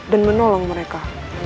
dan menolong mereka